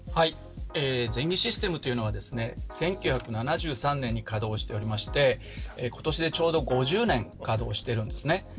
全銀システムというのは１９７３年に稼働しておりまして今年でちょうど５０年稼働しているんですね。